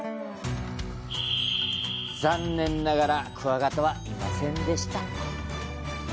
残念ながら、クワガタはいませんでした。